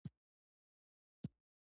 د صحابو لښکر باید ونه لېږل شي.